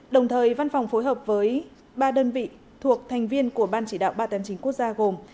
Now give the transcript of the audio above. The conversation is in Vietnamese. đồng thời văn phòng phối hợp với ba đơn vị thuộc thành viên của ban chỉ đạo ba trăm tám mươi chín quốc gia gồm